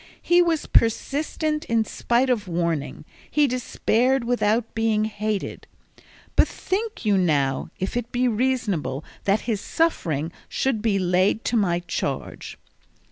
He was persistent in spite of warning, he despaired without being hated. Bethink you now if it be reasonable that his suffering should be laid to my charge.